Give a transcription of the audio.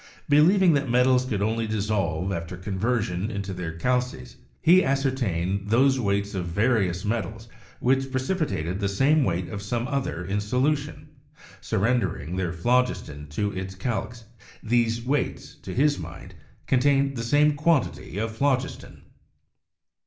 Believing that metals only dissolve after conversion into their 'calces/ he ascertained those weights of various metals which precipitated the same weight of some other in solu tion, surrendering their phlogiston to its 'calx'; these weights, to his mind, contained the same quantity of phlogiston.